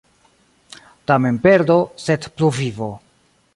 Tamen perdo, sed pluvivo.